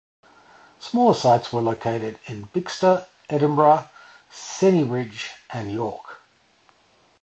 Smaller sites were located at Bicester, Edinburgh, Sennybridge and York.